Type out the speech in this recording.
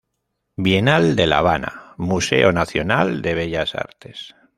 Bienal de La Habana, Museo Nacional de Bellas Artes.